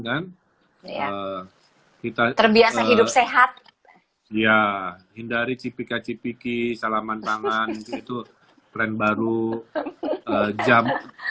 dan kita terbiasa hidup sehat ya hindari cipika cipiki salaman tangan itu tren baru jam